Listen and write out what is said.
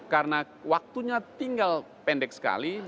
karena waktunya tinggal pendek sekali